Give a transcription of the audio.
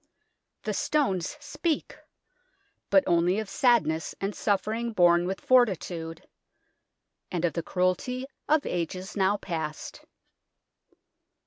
The stones speak but only of sad ness and suffering borne with fortitude, and of the cruelty of ages now past.